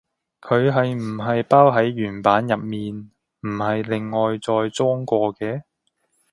佢係唔係包喺原版入面，唔係另外再裝過嘅？